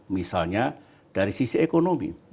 misalnya dari sisi ekonomi